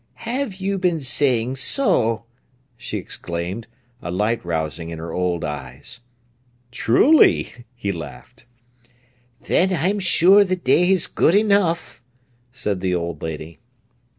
"Have you been saying so!" she exclaimed, a light rousing in her old eyes. "Truly!" he laughed. "Then I'm sure the day's good enough," said the old lady.